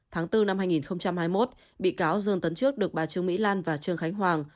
tháng bốn năm hai nghìn hai mươi một bị cáo dương tấn trước được bà trương mỹ lan và trương khánh hoàng